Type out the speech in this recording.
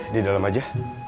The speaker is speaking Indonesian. di dalam aja